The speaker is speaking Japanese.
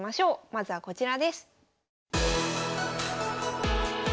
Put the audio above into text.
まずはこちらです。